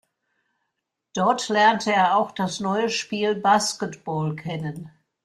Dort lernte er auch das neue Spiel Basketball kennen.